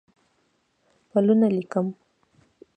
پلونه لیکم